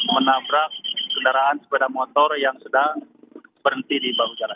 menabrak kendaraan sepeda motor yang sedang berhenti di bahu jalan